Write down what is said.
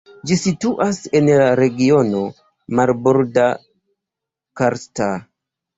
Ĝi situas en la Regiono Marborda-Karsta.